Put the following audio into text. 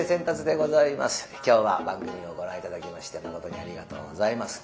今日は番組をご覧頂きましてまことにありがとうございます。